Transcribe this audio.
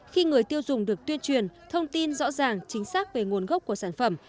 khi người tiêu dùng được tuyên truyền thông tin rõ ràng chính xác về nguồn gốc của sản phẩm